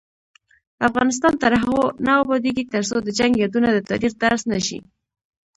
افغانستان تر هغو نه ابادیږي، ترڅو د جنګ یادونه د تاریخ درس نشي.